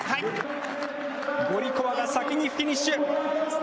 ゴリコワが先にフィニッシュ。